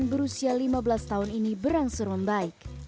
kondisi kuda poni yang diperkirakan berusia lima belas tahun ini berangsur membaik